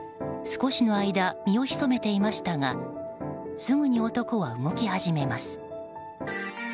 少しの間、身を潜めていましたがすぐに男は動き始めます。